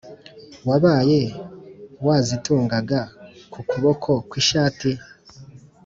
wabaye wazitungaga ku kuboko kw’ishati ?